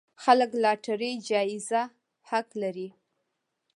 خلک لاټرۍ جايزه حق لري.